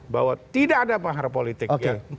bahwa tidak ada mahar politiknya